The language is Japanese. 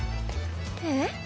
えっ？